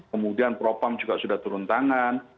kemudian propam juga sudah turun tangan